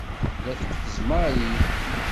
Tella teqfez Mary.